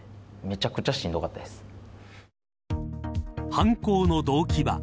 犯行の動機は。